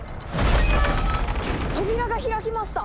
扉が開きました！